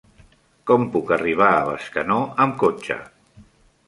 Com puc arribar a Bescanó amb cotxe?